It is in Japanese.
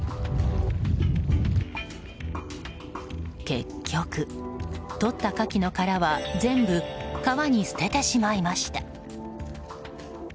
結局、とったカキの殻は全部川に捨ててしまいました。